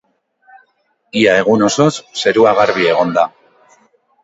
Ia egun osoz zerua garbi egongo da.